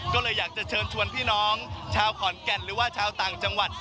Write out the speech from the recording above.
ก็เลยอยากจะเชิญชวนพี่น้องชาวขอนแก่นหรือว่าชาวต่างจังหวัด